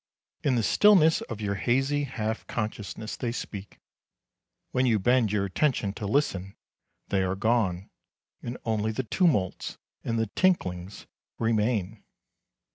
In the stillness of your hazy half consciousness they speak; when you bend your attention to listen, they are gone, and only the tumults and the tinklings remain.